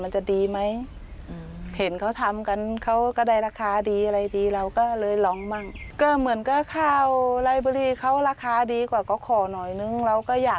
ชีวิตชาวนาค่ะ